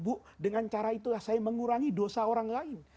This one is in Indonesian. bu dengan cara itulah saya mengurangi dosa orang lain